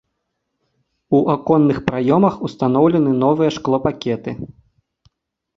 У аконных праёмах ўстаноўлены новыя шклопакеты.